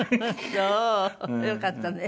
よかったね。